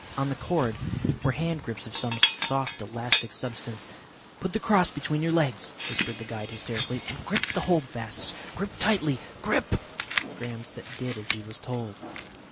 On the cord were hand grips of some soft elastic substance. "Put the cross between your legs," whispered the guide hysterically, "and grip the holdfasts. Grip tightly, grip!" Graham did as he was told.